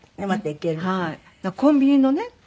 コンビニのね